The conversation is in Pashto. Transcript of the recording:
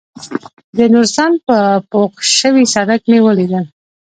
د نورستان په پوخ شوي سړک مې وليدل.